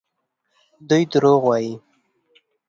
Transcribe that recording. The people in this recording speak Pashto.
دوی دروغ وايي.